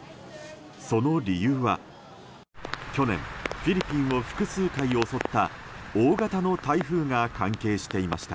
その理由は去年フィリピンを複数回襲った大型の台風が関係していました。